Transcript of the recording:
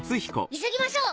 急ぎましょう！